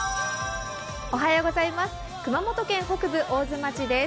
熊本県北部大津町です。